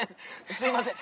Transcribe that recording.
すいません！